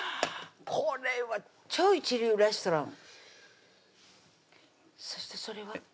これは超一流レストランそしてそれは？